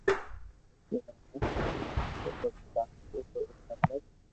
تو تي مني سٺو ڀگت لاگتو تو ايڪ نمبر